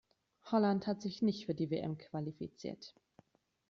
Holland hat sich nicht für die WM qualifiziert.